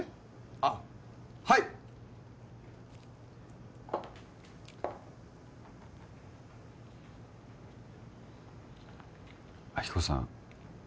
あっはい亜希子さん